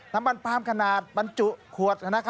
น้ำมันปลามขนาดบรรจุขวด